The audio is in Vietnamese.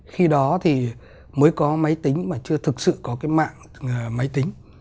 khi đó thì mới có máy tính mà chưa thực sự có cái mạng máy tính